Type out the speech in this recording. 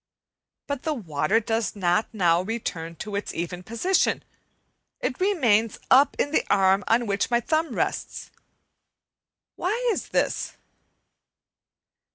But the water does not now return to its even position, it remains up in the arm on which my thumb rests. Why is this?